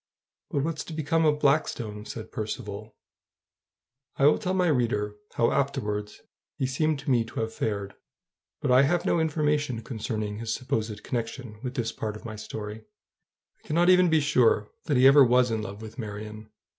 "But what's to become of Blackstone?" said Percivale. I will tell my reader how afterwards he seemed to me to have fared; but I have no information concerning his supposed connection with this part of my story. I cannot even be sure that he ever was in love with Marion.